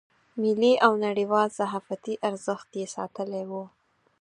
ملي او نړیوال صحافتي ارزښت ساتلی و.